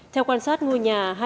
theo quan sát ngôi nhà